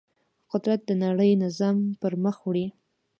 قدرت د نړۍ نظام پر مخ وړي.